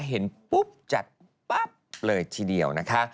เห็นปุ๊บจัดปั๊บเลยทีเดียวนะคะ